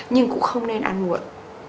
nhưng cũng không nên ăn muộn